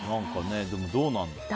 でも、どうなんだろうね。